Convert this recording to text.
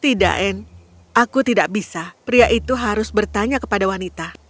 tidak anne aku tidak bisa pria itu harus bertanya kepada wanita